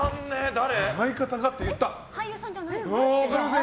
誰？